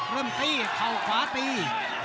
เริ่มตีเขาขวาตี